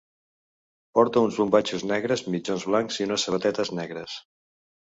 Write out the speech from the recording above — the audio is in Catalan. Porta uns bombatxos negres, mitjons blancs i unes sabatetes negres.